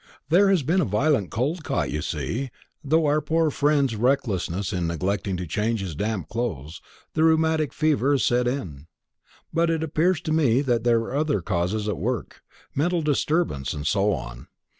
"There has been a violent cold caught, you see, through our poor friend's recklessness in neglecting to change his damp clothes, and rheumatic fever has set in. But it appears to me that there are other causes at work mental disturbance, and so on.